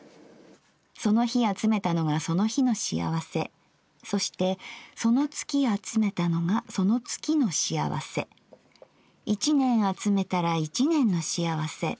その日集めたのがその日の幸せそしてその月集めたのがその月の幸せ一年集めたら一年の幸せ。